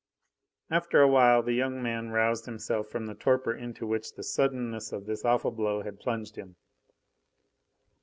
After a while the young man roused himself from the torpor into which the suddenness of this awful blow had plunged him.